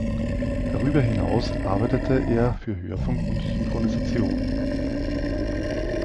Darüber hinaus arbeitete er für Hörfunk und Synchronisation.